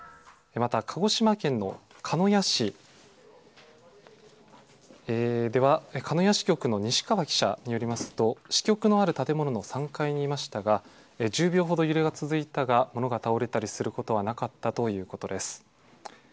また、鹿児島県の鹿屋市では、かのや支局のにしかわ記者によりますと、支局のある建物の３階にいましたが、１０秒ほど揺れが続いたが、ものが倒れたりすることはなかったということです。